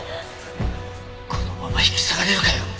このまま引き下がれるかよ！